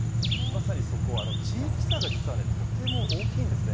まさにそこ、地域差が実はとても大きいんですね。